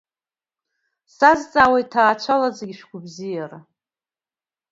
Сазҵаауеит ҭаацәала зегьы шәгәабзиара.